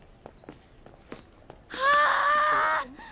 はあ！